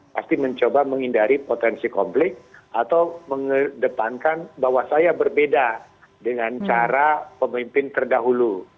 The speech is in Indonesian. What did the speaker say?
pasti mencoba menghindari potensi konflik atau mengedepankan bahwa saya berbeda dengan cara pemimpin terdahulu